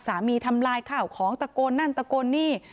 ทำลายข้าวของตะโกนนั่นตะโกนนี่